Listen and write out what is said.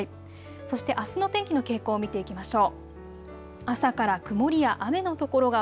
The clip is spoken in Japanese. そしてあすの天気の傾向を見ていきましょう。